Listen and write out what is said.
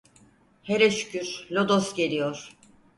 Hele şükür, lodos geliyor…